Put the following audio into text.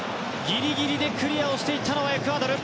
ギリギリでクリアしていったのはエクアドル。